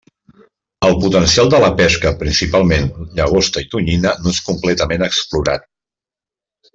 El potencial de la pesca, principalment llagosta i tonyina no és completament explorat.